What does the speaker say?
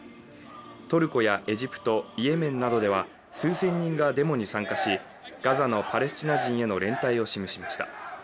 トルコやエジプト、イエメンなどでは数千人がデモに参加し、ガザのパレスチナ人への連帯を示しました。